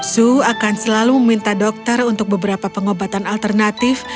su akan selalu meminta dokter untuk beberapa pengobatan alternatif